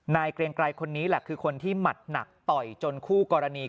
เกรงไกรคนนี้แหละคือคนที่หมัดหนักต่อยจนคู่กรณี